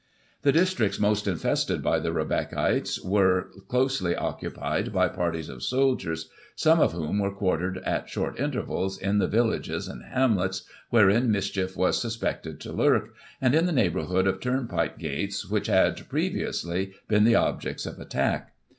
The districts most infested by the Rebeccaites were closely occupied by parties of soldiers, some of whom were quartered, at short intervals, in the villages and hamlets wherein mischief was suspected to lurk, and in the neigh bourhood of turnpike gates, which had, previously, been the objects of attack.